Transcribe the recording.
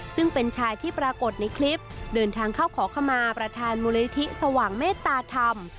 ซึ่งเป็นชายที่ปรากฏในคลิปเดินทางเข้าขอขมาประธานมูลนิธิสว่างเมตตาธรรม